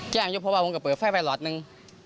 แจ้งอยู่เพราะว่าผมก็เปิดแฟ่ลอยส์หนึ่ง